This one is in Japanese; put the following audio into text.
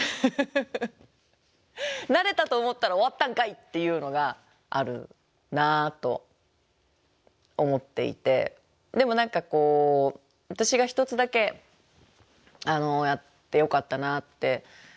「慣れたと思ったら終わったんかい」っていうのがあるなと思っていてでも何か私が一つだけやってよかったなって思ったのはあの。